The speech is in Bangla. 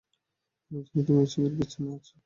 আমি জানি তুমি এসবের পেছনে আছো।